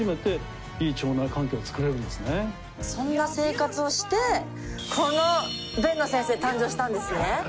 そんな生活をしてこの辨野先生誕生したんですね。